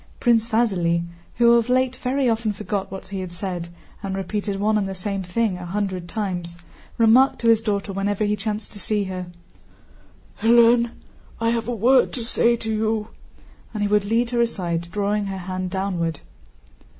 Prince Vasíli, who of late very often forgot what he had said and repeated one and the same thing a hundred times, remarked to his daughter whenever he chanced to see her: "Hélène, I have a word to say to you," and he would lead her aside, drawing her hand downward.